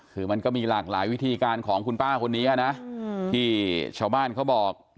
คือมันก็มีหลากหลายวิธีการของคุณป้าคนนี้นะที่ชาวบ้านเขาบอก